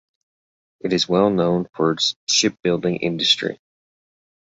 It is well known for its ship building industry.